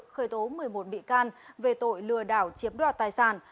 khởi tố một mươi một bị can về tội lừa đảo chiếm đoạt tài sản